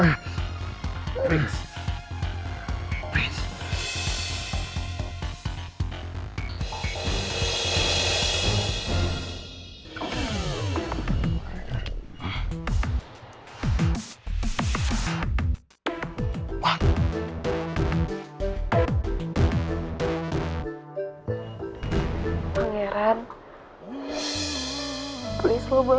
seru seruan dengan anda